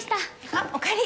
あっおかえり！